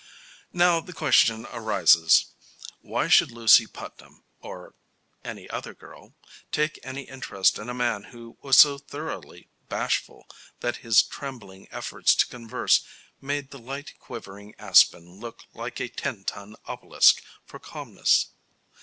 Now, the question arises: Why should Lucy Putnam, or any other girl, take any interest in a man who was so thoroughly bashful that his trembling efforts to converse made the light quivering aspen look like a ten ton obelisk for calmness?